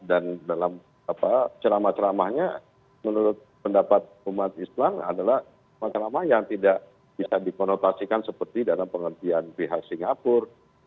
dan dalam ceramah ceramahnya menurut pendapat umat islam adalah ulamanya yang tidak bisa diponotasikan seperti dalam pengertian pihak singapura